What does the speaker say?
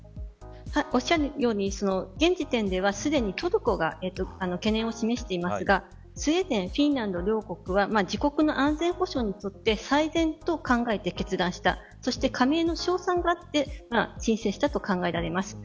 おっしゃるように現時点ではトルコがすでに懸念を示していますがスウェーデン、フィンランド両国は自国の安全保障にとって最善と考えて決断したそして加盟の勝算があって申請したと考えられます。